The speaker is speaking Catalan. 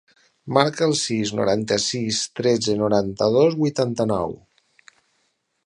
Marca el sis, noranta-sis, tretze, noranta-dos, vuitanta-nou.